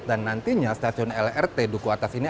dan nantinya stasiun lrt duku atas ini